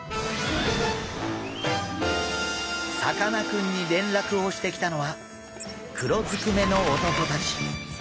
さかなクンに連絡をしてきたのは黒ずくめの男たち。